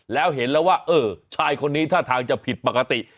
แล้วเห็นแล้วว่าเออชายคนนี้ท่าทางจะผิดปกติ